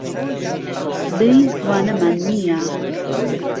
سبەی وانەمان نییە.